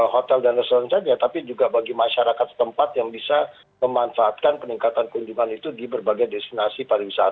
hotel dan restoran saja tapi juga bagi masyarakat tempat yang bisa memanfaatkan peningkatan kunjungan itu di berbagai destinasi pariwisata